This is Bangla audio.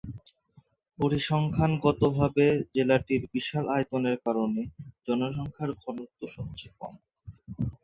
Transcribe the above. পরিসংখ্যানগতভাবে জেলাটির বিশাল আয়তনের কারণে জনসংখ্যার ঘনত্ব সবচেয়ে কম।